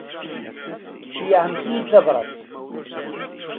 Ceyyɛemt-iyi-d tabrat.